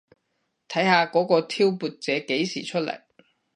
睇下嗰個挑撥者幾時出嚟